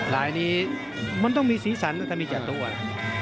ลายนี้มันต้องมีสีสันถ้ามีจาดตู้อ่ะ